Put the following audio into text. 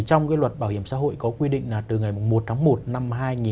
trong cái luật bảo hiểm xã hội có quy định là từ ngày một tháng một năm hai nghìn một mươi